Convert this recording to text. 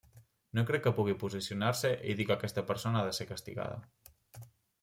No crec que pugui posicionar-se i dir que aquesta persona ha de ser castigada.